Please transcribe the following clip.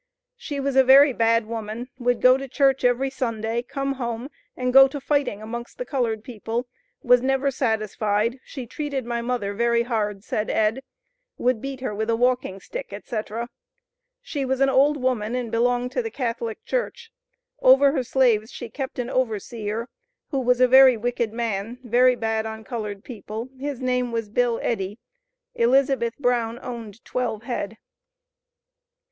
"She was a very bad woman; would go to church every Sunday, come home and go to fighting amongst the colored people; was never satisfied; she treated my mother very hard, (said Ed.); would beat her with a walking stick, &c. She was an old woman and belonged to the Catholic Church. Over her slaves she kept an overseer, who was a very wicked man; very bad on colored people; his name was 'Bill Eddy;' Elizabeth Brown owned twelve head."